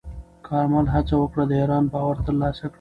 کارمل هڅه وکړه د ایران باور ترلاسه کړي.